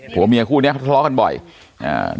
หัวเมียคู่เนี้ยเขาทะเลาะกันบ่อยอ่า